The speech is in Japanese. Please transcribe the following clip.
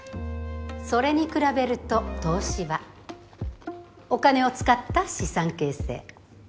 それに比べると投資はお金を使った資産形成。